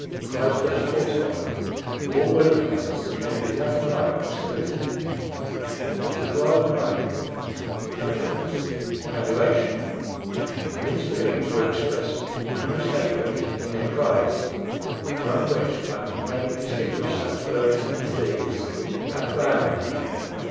Cries burst forth from them. All were looking at us, but with nothing like hostility; it was rather like reverence and adoration, and these feelings were expressed unmistakably in their cries, among which I could plainly distinguish such words as these: "Ap Ram!"